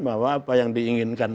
bahwa apa yang diinginkan